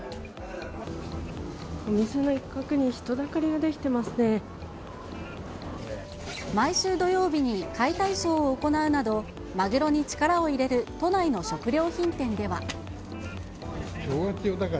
店の一角に人だかりが出来て毎週土曜日に解体ショーを行うなど、マグロに力を入れる都内の食料品店では。